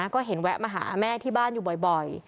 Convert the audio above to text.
ก็เห็นแวะมาหาแม่ที่บ้านอยู่บ่อย